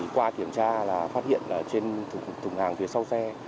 qua kiểm tra là phát hiện trên thùng hàng phía sau xe